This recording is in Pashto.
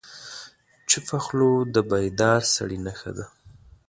چپه خوله، د بیدار سړي نښه ده.